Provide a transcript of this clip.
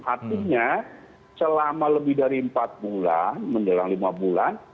artinya selama lebih dari empat bulan menjelang lima bulan